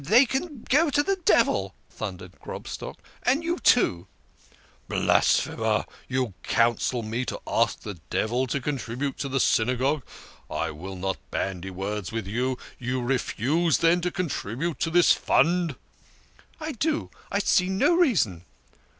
They can go to the devil !" thundered Grobstock, " and you too !"" Blasphemer ! You counsel me to ask the devil to con tribute to the Synagogue ! I will not bandy words with you. You refuse, then, to contribute to this fund?" " I do, I see no reason."